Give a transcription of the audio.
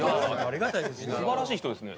素晴らしい人ですね。